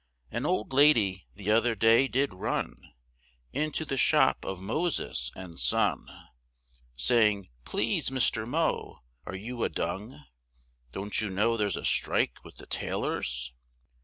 An old lady the other day did run, Into the shop of Moses and Son, Saying, please Mr Mo, are you a Dung; Don't you know there's a strike with the tailors!